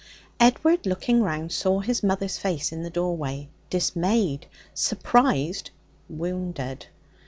Edward, looking round, saw his mother's face in the doorway, dismayed, surprised, wounded.